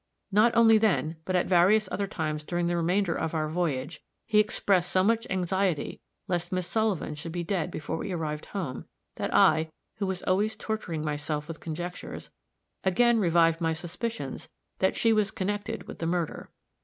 Not only then, but at various other times during the remainder of our voyage, he expressed so much anxiety lest Miss Sullivan should be dead before we arrived home, that I, who was always torturing myself with conjectures, again revived my suspicions that she was connected with the murder.